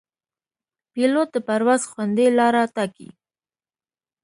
پیلوټ د پرواز خوندي لاره ټاکي.